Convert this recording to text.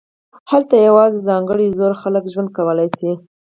هلته یوازې ځانګړي زړور خلک ژوند کولی شي